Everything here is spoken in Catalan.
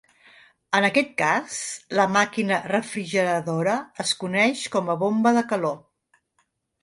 En aquest cas, la màquina refrigeradora es coneix com a bomba de calor.